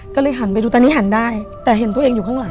ก็เลยหันไปดูตอนนี้หันได้แต่เห็นตัวเองอยู่ข้างหลัง